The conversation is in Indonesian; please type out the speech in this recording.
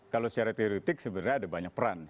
kalau secara teoretik sebenarnya ada banyak peran